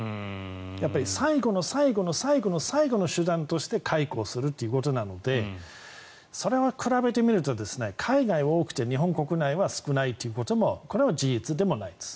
やっぱり最後の最後の最後の最後の手段として解雇をするっていうことなのでそれを比べてみると海外は多くて日本国内は少ないということもこれは事実でもないです。